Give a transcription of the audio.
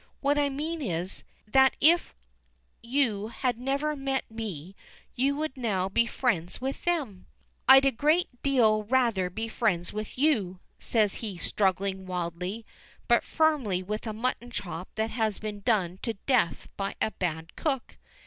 What I mean is, that if you had never met me you would now be friends with them." "I'd a great deal rather be friends with you," says he struggling wildly but firmly with a mutton chop that has been done to death by a bad cook.